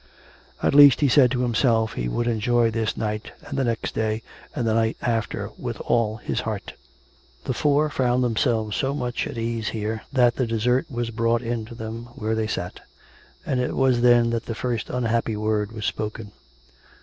At least, he said to himself, he would enjoy this night and the next day and the night after, with all his heart. The four found themselves so much at ease here, that the dessert was brought in to them where they sat; and it was then that the first unhappy word was spoken.